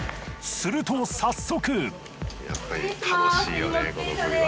すると早速。